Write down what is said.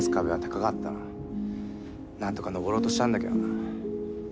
なんとか登ろうとしたんだけどな。